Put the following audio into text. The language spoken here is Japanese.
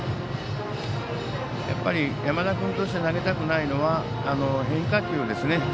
やっぱり山田君として投げたくないのは変化球ですね。